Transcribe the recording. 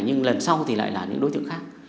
nhưng lần sau thì lại là những đối tượng khác